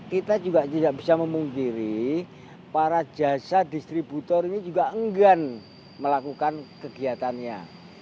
kita juga tidak bisa memungkiri para jasa distributor ini juga enggan melakukan kegiatannya